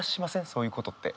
そういうことって。